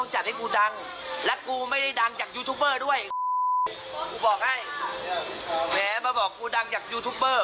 แหมมาบอกกูดังจากยูทูปเบอร์